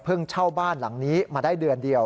เช่าบ้านหลังนี้มาได้เดือนเดียว